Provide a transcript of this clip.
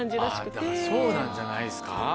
だからそうなんじゃないですか？